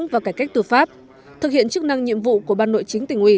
và cải cách tư pháp thực hiện chức năng nhiệm vụ của ban nội chính tỉnh ủy